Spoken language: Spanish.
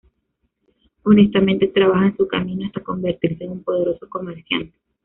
Honestamente trabaja en su camino hasta convertirse en un poderoso comerciante.